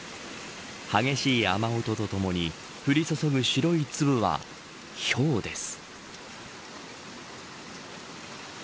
激しい雨音とともに降り注ぐ白い粒は、ひょうです。